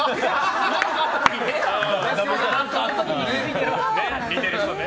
何かあった時ね。